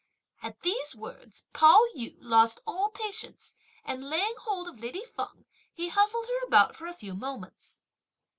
At these words, Pao yü lost all patience, and laying hold of lady Feng, he hustled her about for a few moments.